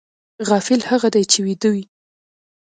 غافل هغه دی چې ویده وي